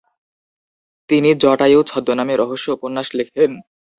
যিনি জটায়ু ছদ্মনামে রহস্য উপন্যাস লেখেন।